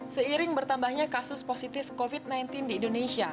seiring bertambahnya kasus positif covid sembilan belas di indonesia